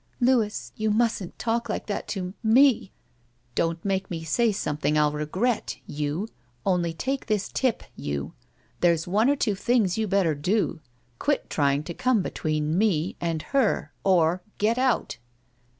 "Louis! You mustn't talk like that to — me!" "Don't make me say something I'll regret. You! Only take this tip, you ! There's one of two things you better do. Qtiit trying to come between me and her or — get out."